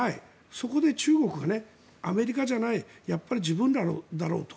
そこで中国がアメリカじゃないやっぱり自分だろうと。